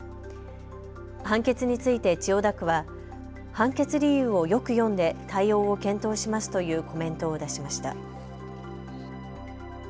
判決について千代田区は判決理由をよく読んで対応を検討しますというコメントを出しました。